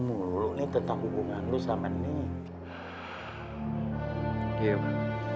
dulu nih tentang hubungan lu sama nih game